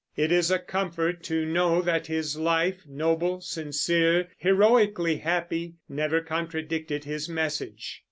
It is a comfort to know that his life, noble, sincere, "heroically happy," never contradicted his message.